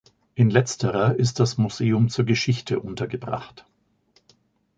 In Letzterer ist das Museum zur Geschichte untergebracht.